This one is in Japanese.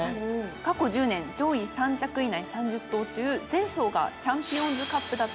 過去１０年上位３着以内３０頭中前走がチャンピオンズカップだった馬が９頭。